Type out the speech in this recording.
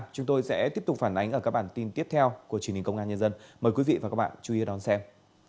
các bạn chú ý đón xem